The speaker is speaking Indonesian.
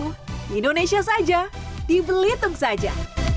di indonesia saja di belitung saja